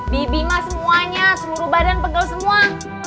bibi mah semuanya seluruh badan pegel semua